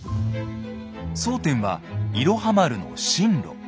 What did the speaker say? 争点は「いろは丸」の進路。